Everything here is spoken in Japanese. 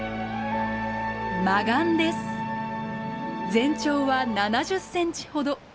全長は７０センチほど。